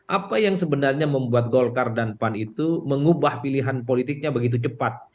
apa yang sebenarnya membuat golkar dan pan itu mengubah pilihan politiknya begitu cepat